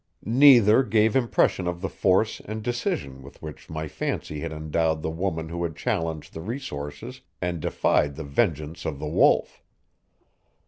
Neither gave impression of the force and decision with which my fancy had endowed the woman who had challenged the resources and defied the vengeance of the Wolf.